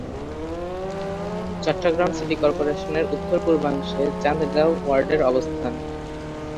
Chittagong city কর্পোরেশনের উত্তর-পূর্বাংশে চান্দগাঁও ওয়ার্ডের অবস্থান।